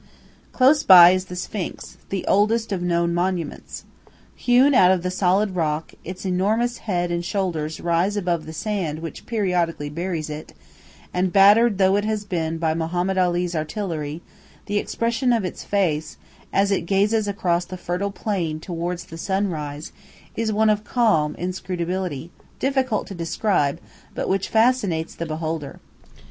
Close by is the sphinx, the oldest of known monuments. Hewn out of the solid rock, its enormous head and shoulders rise above the sand which periodically buries it, and, battered though it has been by Mohammed Ali's artillery, the expression of its face, as it gazes across the fertile plain towards the sunrise, is one of calm inscrutability, difficult to describe, but which fascinates the beholder.